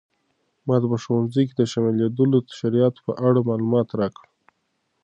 ماته په ښوونځي کې د شاملېدو د شرایطو په اړه معلومات راکړه.